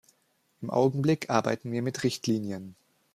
Im Augenblick arbeiten wir mit Richtlinien.